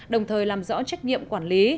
đồng thời làm rõ trách nhiệm quản lý